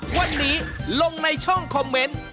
วันนี้ลงในช่องคอมเมนต์